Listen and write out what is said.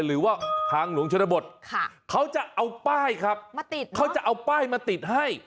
หรือว่าทางหลวงชนบทเขาจะเอาป้ายมาติดให้